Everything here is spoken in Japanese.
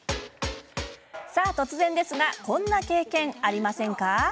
突然ですがこんな経験、ありませんか？